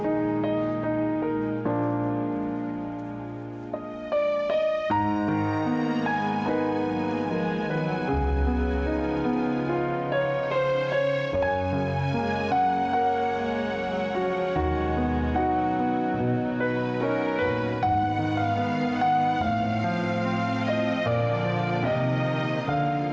terima kasih pak